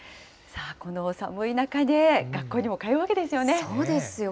この寒い中ね、学校にも通うわけですよね。